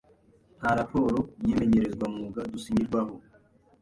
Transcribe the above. Nta Raporo y'imenyerezwamwuga dusinyirwaho